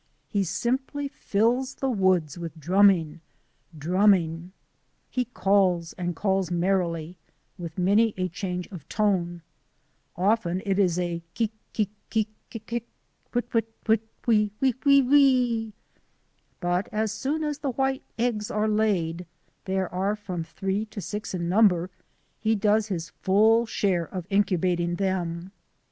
He simply fills the woods with drumming, drum ming. He calls and calls merrily, with many a change of tone. Often it is keak keak keak kick kick, whit whit whit whi wi wi i i wi. But as soon as the white eggs are laid — there are from three to six in number — he does his full share of incubating them.